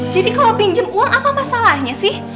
jadi kalo pinjem uang apa masalahnya sih